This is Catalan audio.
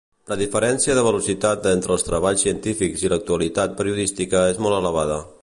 La diferència de velocitat entre els treballs científics i l'actualitat periodística és molt elevada.